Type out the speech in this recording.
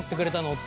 って。